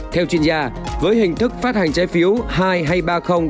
theo chuyên gia với hình thức phát hành trái phiếu hai hay ba mươi